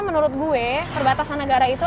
menurut gue perbatasan negara itu